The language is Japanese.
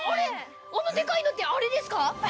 あのでかいのって、あれですか。